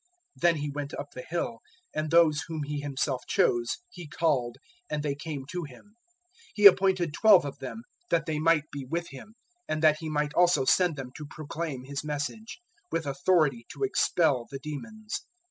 003:013 Then He went up the hill; and those whom He Himself chose He called, and they came to Him. 003:014 He appointed twelve of them, that they might be with Him, and that He might also send them to proclaim His Message, 003:015 with authority to expel the demons.